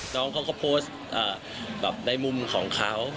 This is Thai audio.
น้องเขาก็โพสต์แบบในมุมของเขา